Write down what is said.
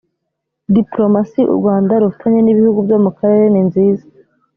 dipolomasi u rwanda rufitanye n’ ibihugu byo mu karere ninziza.